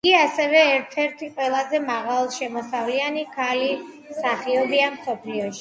იგი ასევე ერთ-ერთი ყველაზე მაღალშემოსავლიანი ქალი მსახიობია მსოფლიოში.